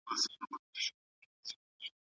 هغوی به سبا په غونډه کي خپلي ټولي موخي یاداښت کړي.